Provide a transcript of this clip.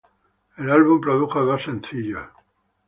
El álbum produjo dos singles.